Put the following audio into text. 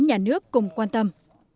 kiểm toán nhà nước cùng quan tâm